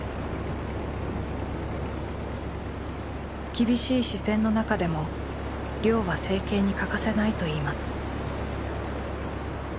厳しい視線の中でも漁は生計に欠かせないといいます。